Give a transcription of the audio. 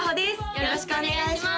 よろしくお願いします